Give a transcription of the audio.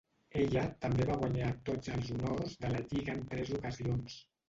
Ella també va guanyar tots els honors de la lliga en tres ocasions.